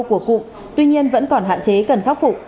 của cụm tuy nhiên vẫn còn hạn chế cần khắc phục